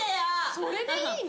それでいいの？